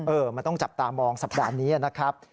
มันต้องจับตามองสัปดาห์นี้นะครับ